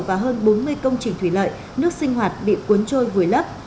và hơn bốn mươi công trình thủy lợi nước sinh hoạt bị cuốn trôi vùi lấp